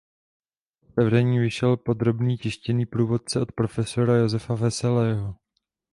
K otevření vyšel podrobný tištěný průvodce od prof. Josefa Veselého.